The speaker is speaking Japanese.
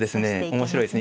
面白いですね。